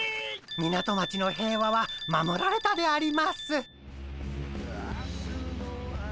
港町の平和は守られたであります。